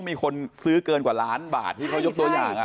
มีคนซื้อเกินกว่าล้านบาทที่เขายกตัวอย่าง